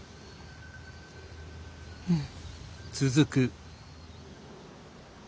うん。